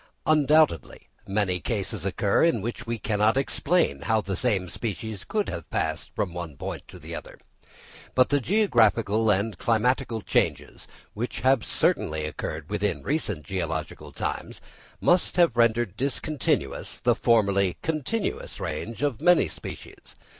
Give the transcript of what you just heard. Undoubtedly many cases occur in which we cannot explain how the same species could have passed from one point to the other. But the geographical and climatical changes which have certainly occurred within recent geological times, must have rendered discontinuous the formerly continuous range of many species.